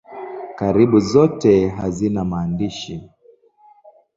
Karibu zote hazina maandishi.